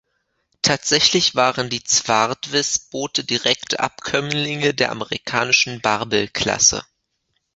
Tatsächlich waren die "Zwaardvis"-Boote direkte Abkömmlinge der amerikanischen "Barbel-Klasse".